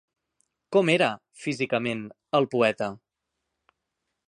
Com era, físicament, el poeta?